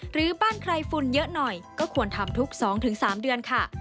หรือบ้านใครฝุ่นเยอะหน่อยก็ควรทำทุก๒๓เดือนค่ะ